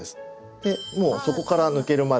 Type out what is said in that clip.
でもう底から抜けるまで。